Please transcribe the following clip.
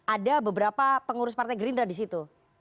ada beberapa pengurus partai gerindra disitu